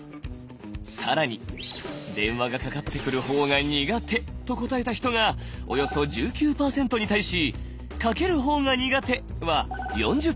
更に「電話がかかってくる方が苦手」と答えた人がおよそ１９％に対し「かける方が苦手」は４０％。